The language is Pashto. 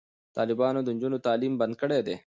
طالبانو د نجونو تعلیم بند کړی دی.